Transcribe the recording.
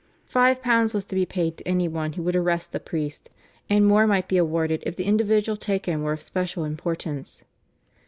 Five pounds was to be paid to any one who would arrest a priest, and more might be awarded if the individual taken were of special importance.